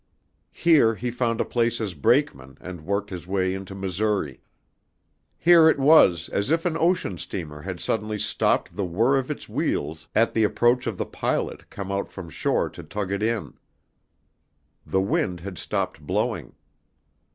Here he found a place as brakeman and worked his way into Missouri. Here it was as if an ocean steamer had suddenly stopped the whir of its wheels at the approach of the pilot come out from shore to tug it in. The wind had stopped blowing.